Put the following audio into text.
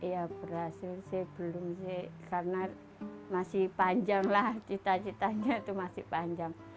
ya berhasil sih belum sih karena masih panjang lah cita citanya itu masih panjang